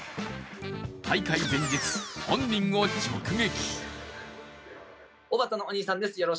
大会前日、本人を直撃。